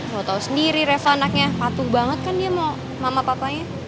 mau tahu sendiri reva anaknya patuh banget kan dia mau mama papanya